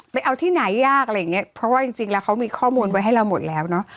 ไปเอาที่ไหนยากอะไรอย่างเงี้ยเพราะว่าจริงจริงแล้วเขามีข้อมูลไว้ให้เราหมดแล้วเนอะ